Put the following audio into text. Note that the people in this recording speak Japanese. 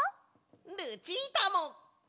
ルチータも！